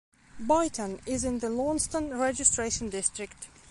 Boyton is in the Launceston Registration District.